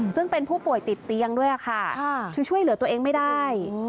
ซึ่งเป็นผู้ป่วยติดเตียงด้วยค่ะคือช่วยเหลือตัวเองไม่ได้